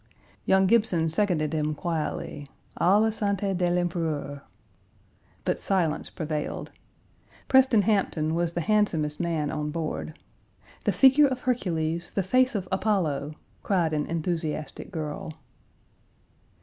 Young Gibson seconded him quietly, "À la santé de l'Empereur." But silence prevailed. Preston Hampton was the handsomest man on board "the figure of Hercules, the face of Apollo," cried an enthusiastic girl.